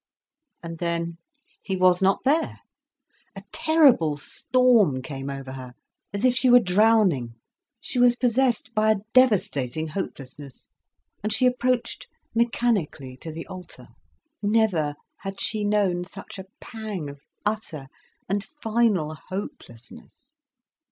And then, he was not there. A terrible storm came over her, as if she were drowning. She was possessed by a devastating hopelessness. And she approached mechanically to the altar. Never had she known such a pang of utter and final hopelessness.